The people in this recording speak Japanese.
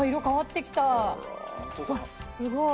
うわっすごい。